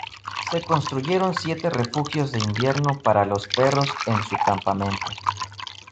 Se construyeron siete refugios de invierno para los perros en su campamento.